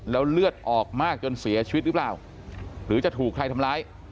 แล้วเลือดออกมากจนเสียชีวิตหรือเปล่าหรือจะถูกใครทำร้าย